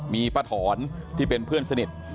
มีป้าถอนที่เป็นเพื่อนสนิท